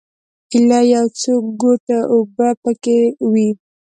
ایله یو څو ګوټه اوبه په کې پاتې وې.